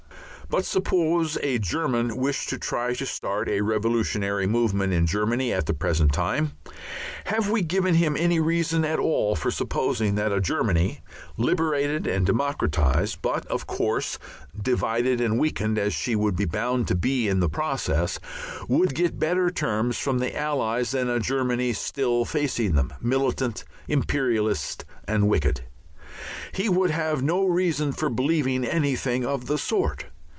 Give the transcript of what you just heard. But suppose a German wished to try to start a revolutionary movement in Germany at the present time, have we given him any reason at all for supposing that a Germany liberated and democratized, but, of course, divided and weakened as she would be bound to be in the process, would get better terms from the Allies than a Germany still facing them, militant, imperialist, and wicked? He would have no reason for believing anything of the sort.